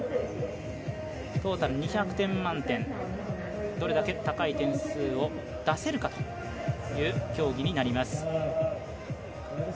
トータル２００点満点どれだけ高い点数を出せるかという競技になります。